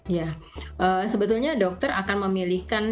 ya sebetulnya dokter akan memilihkan